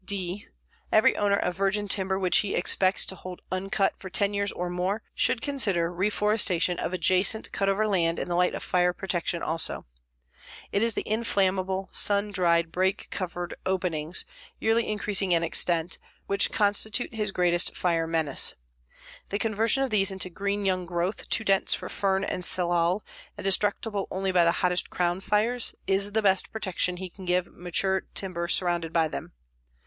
(d) Every owner of virgin timber which he expects to hold uncut for 10 years or more should consider reforestation of adjacent cut over land in the light of fire protection also. It is the inflammable, sun dried, brake covered openings, yearly increasing in extent, which constitute his greatest fire menace. The conversion of these into green young growth, too dense for fern and salal and destructible only by the hottest crown fires, is the best protection he can give mature timber surrounded by them.